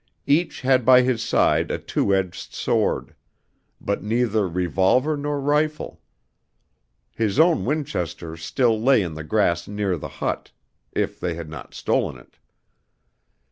Each had by his side a two edged sword, but neither revolver nor rifle. His own Winchester still lay in the grass near the hut, if they had not stolen it.